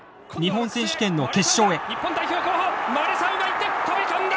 日本代表候補マレ・サウが行って飛び込んだ！